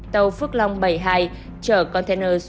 tàu phước long bảy mươi hai chở container sửa